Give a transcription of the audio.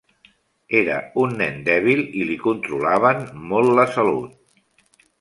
Era un nen dèbil i li controlaven molt la salut.